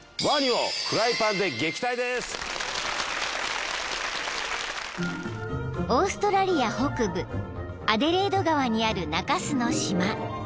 ［オーストラリア北部アデレード川にある中州の島］